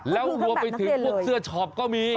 แล้วหัวไปถึงเสื้อช็อปก็มี